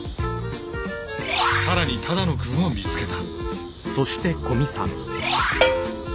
更に只野くんを見つけた。